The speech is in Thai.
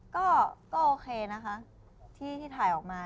ก็โอเคนะคะที่ถ่ายออกมา